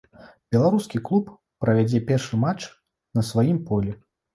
Беларускі клуб правядзе першы матч на сваім полі.